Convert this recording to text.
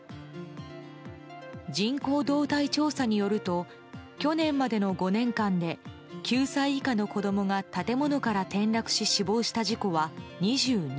人口動態調査によると去年までの５年間で９歳以下の子供が建物から転落し死亡した事故は２２件。